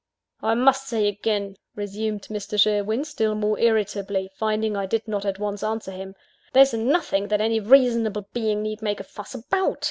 "I must say again," resumed Mr. Sherwin, still more irritably, finding I did not at once answer him, "there's nothing that any reasonable being need make a fuss about.